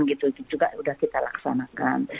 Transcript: itu juga sudah kita laksanakan